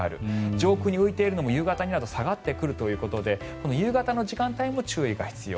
上空に浮いているものも夕方になると下がってくるということで注意が必要。